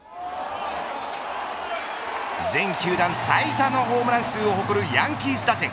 全球団最多のホームラン数を誇るヤンキース打線。